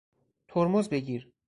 ترمز بگیر!